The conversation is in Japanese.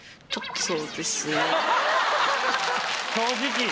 正直。